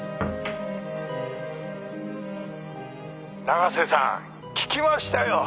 永瀬さん聞きましたよ。